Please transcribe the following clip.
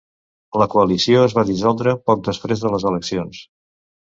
La coalició es va dissoldre poc després de les eleccions.